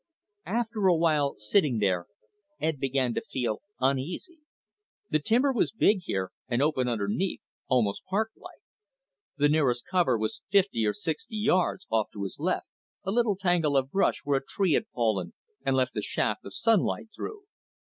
_ After a while, sitting there, Ed began to feel uneasy. The timber was big here, and open underneath, almost parklike. The nearest cover was fifty or sixty yards off to his left, a little tangle of brush where a tree had fallen and let a shaft of sunlight through.